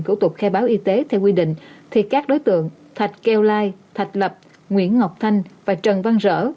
thủ tục khai báo y tế theo quy định thì các đối tượng thạch keo lai thạch lập nguyễn ngọc thanh và trần văn rỡ